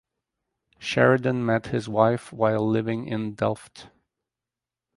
Sheridan met his wife while living in Delft.